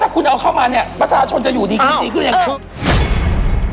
ถ้าคุณเอาเข้ามาเนี้ยประชาชนจะอยู่ดีกว่าดีกว่าดีกว่ายังไงเออ